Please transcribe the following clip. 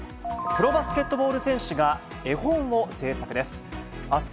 プロバスケットボール選手が、絵本を制作です。